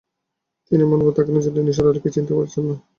তিনি এমনভাবে তাকালেন যেন নিসার আলিকে চিনতে পারছেন না।